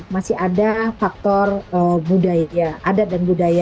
masih ada faktor budaya adat dan budaya